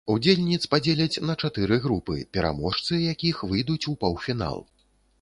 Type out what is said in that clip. Удзельніц падзеляць на чатыры групы, пераможцы якіх выйдуць у паўфінал.